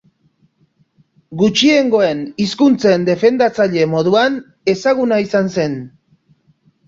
Gutxiengoen hizkuntzen defendatzaile moduan ezaguna izan zen.